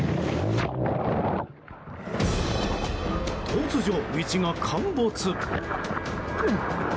突如、道が陥没。